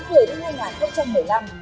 từ tháng một mươi năm hai nghìn một mươi năm